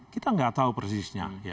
kita tidak tahu persisnya